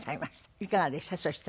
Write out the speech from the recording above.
いかがでした？